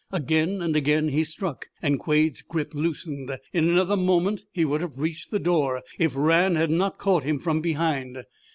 Again and again he struck, and Quade's grip loosened. In another moment he would have reached the door if Rann had not caught him from behind.